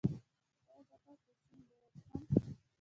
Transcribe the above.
ایا زه باید د سیند اوبه وڅښم؟